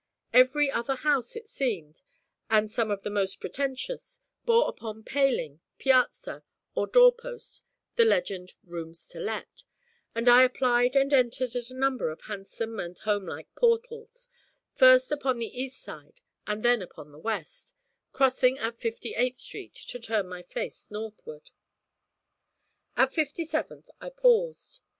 Every other house it seemed, and some of the most pretentious, bore upon paling, piazza, or door post the legend 'Rooms to Let,' and I applied and entered at a number of handsome and home like portals, first upon the east side and then upon the west, crossing at Fifty eighth Street to turn my face northward. At Fifty seventh I paused.